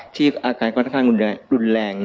ที่อาการก็ค่อนข้างรุนแรง